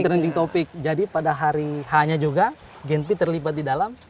trending topic jadi pada hari h nya juga genpi terlibat di dalam